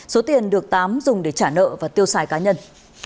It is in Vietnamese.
số tiền được tám dùng để trả nợ và tiêu xài cá nhân